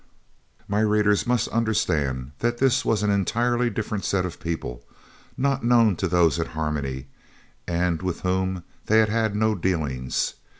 My readers must understand that this was an entirely different set of people, not known to those at Harmony, and with whom they had had no dealings.